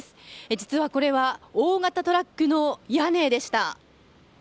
実はこれは大型トラックの屋根でした。